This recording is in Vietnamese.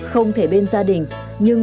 không thể bên gia đình nhưng